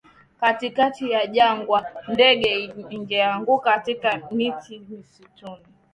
katikati ya jangwa Ndege ikaanguka katika ya miti msituni